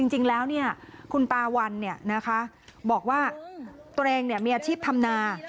จริงแล้วเนี่ยคุณปาวันเนี่ยนะคะบอกว่าตัวเองเนี่ยมีอาชีพธรรมนา